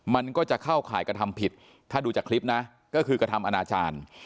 มันก็จะเข้าข่ายกระทำผิดถ้าดูจากคลิปนะก็คือกระทำอนาจารย์